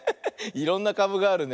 いろんなかぶがあるね。